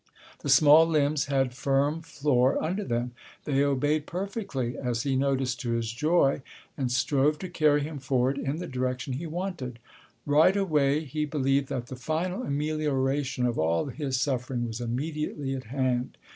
The small limbs had firm floor under them; they obeyed perfectly, as he noticed to his joy, and strove to carry him forward in the direction he wanted. Right away he believed that the final amelioration of all his suffering was immediately at hand.